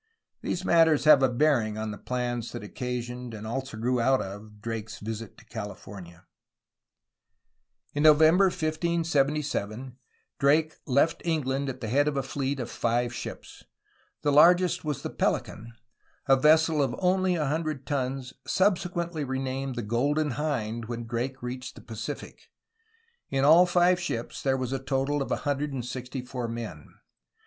These matters have a bearing on the plans that occasioned, and also grew out of, Drake's visit to Cali fornia. In November 1577 Drake left England at the head of a fleet of five ships. The largest was the Pelican, a vessel of only a hundred tons, subsequently renamed the Golden Hind when Drake reached the Pacific. In all five ships there was a total of 164 men.